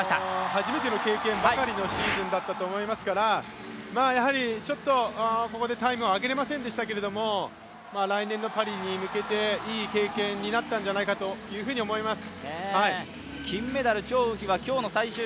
初めての経験ばかりのシーズンだったと思いますから、やはりここでタイムを上げれませんでしたけど来年のパリに向けていい経験になったのではないかなと思います。